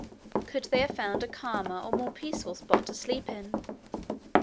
Could they have found a calmer or more peaceful spot to sleep in?